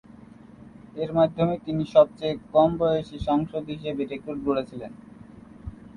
এর মাধ্যমে তিনি সব চেয়ে কম বয়সী সংসদ হিসেবে রেকর্ড গড়েছিলেন।